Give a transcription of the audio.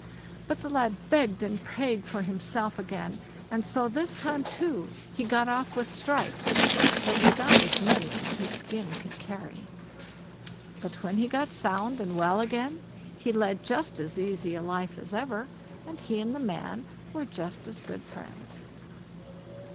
But the lad begged and prayed for himself again, and so this time too he got off with stripes; though he got as many as his skin could carry. But when he got sound and well again, he led just as easy a life as ever, and he and the man were just as good friends.